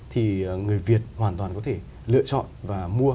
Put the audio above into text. thì người việt hoàn toàn có thể lựa chọn và mua